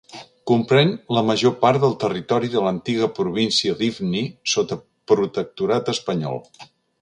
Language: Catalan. Comprèn la major part del territori de l'antiga província d'Ifni sota protectorat espanyol.